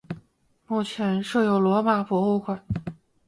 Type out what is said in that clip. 目前设有罗马博物馆。